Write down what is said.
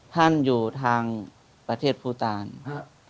ท่านอยู่ทางประเทศภูตาล